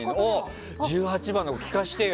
１８番の方、聞かせてよ。